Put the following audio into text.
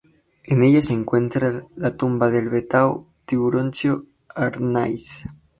En ella se encuentra la tumba del beato Tiburcio Arnaiz.